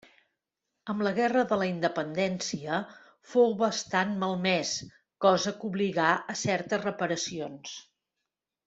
Amb la Guerra de la Independència fou bastant malmès, cosa que obligà a certes reparacions.